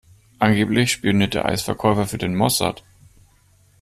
Angeblich spioniert der Eisverkäufer für den Mossad.